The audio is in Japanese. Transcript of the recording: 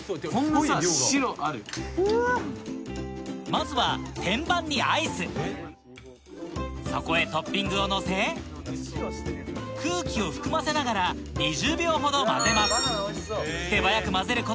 まずは天板にアイスそこへトッピングをのせ空気を含ませながらさらに！